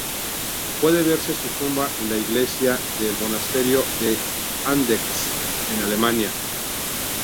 Puede verse su tumba en la iglesia de el monasterio de Andechs, en Alemania.